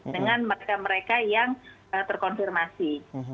dengan mereka mereka yang terkonfirmasi